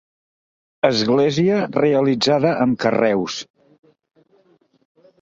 Església realitzada amb carreus.